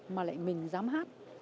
mà lại mình dám hát